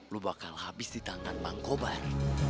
lu bakal habis di tangan bang kobar